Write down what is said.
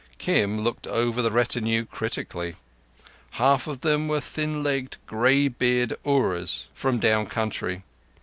Kim looked over the retinue critically. Half of them were thin legged, grey bearded Ooryas from down country.